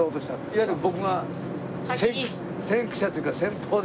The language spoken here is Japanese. いわゆる僕が先駆者というか先鋒で。